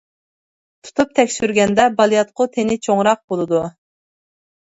تۇتۇپ تەكشۈرگەندە بالىياتقۇ تېنى چوڭراق بولىدۇ.